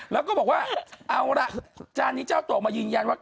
แล้วก็บอกว่าเอาล่ะจานนี้เจ้าตัวออกมายืนยันว่า